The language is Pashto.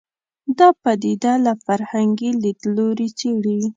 دا پدیده له فرهنګي لید لوري څېړي